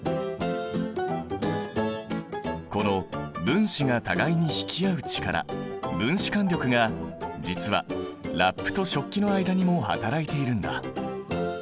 この分子が互いに引き合う力分子間力が実はラップと食器の間にもはたらいているんだ。